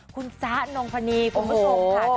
คุณจ๊ะนงพนีคุณผู้ชมค่ะ